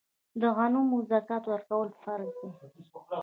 د غنمو زکات ورکول فرض دي.